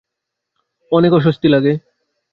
অনেক অস্বস্তি লাগে।